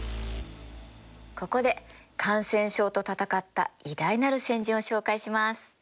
ここで感染症と闘った偉大なる先人を紹介します。